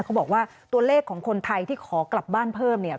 เขาบอกว่าตัวเลขของคนไทยที่ขอกลับบ้านเพิ่มเนี่ย